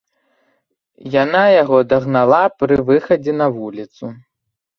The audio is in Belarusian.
Яна яго дагнала пры выхадзе на вуліцу.